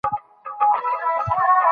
یوه ادبي اداره ورسره اړیکه ونیوله.